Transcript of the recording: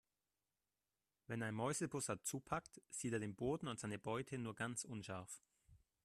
Wenn ein Mäusebussard zupackt, sieht er den Boden und seine Beute nur ganz unscharf.